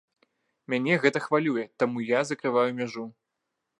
Мяне гэта хвалюе, таму я закрываю мяжу.